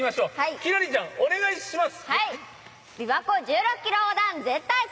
輝星ちゃん、お願いします。